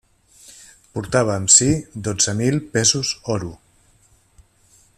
Portava amb si dotze mil pesos oro.